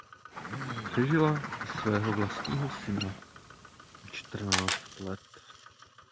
Přežila i svého vlastního syna o čtrnáct let.